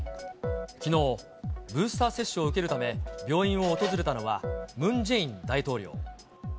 きのう、ブースター接種を受けるため、病院を訪れたのは、ムン・ジェイン大統領。